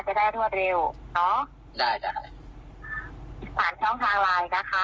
จะได้รวดเร็วเนาะได้ได้สามารถช่องทางไลน์นะคะ